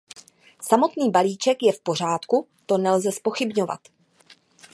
Samotný balíček je v pořádku; to nelze zpochybňovat.